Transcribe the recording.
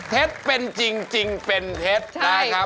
เท็จเป็นจริงเป็นเท็จนะครับ